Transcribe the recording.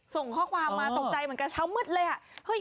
ส่งข้อความมาตกใจเหมือนกันเช้ามืดเลยอ่ะ